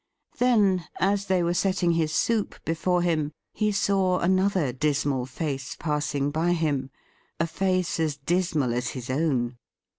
Then, as they were setting his soup before him, he saw another dismal face passing by him — a face as dismal as his own.